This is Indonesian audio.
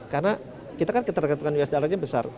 karena kita kan ketergantungan usd rnnya besar